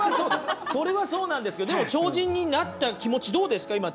それはそうなんですけど超人になった気持ち、どうですか？